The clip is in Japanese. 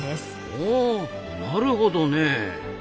ほうなるほどね。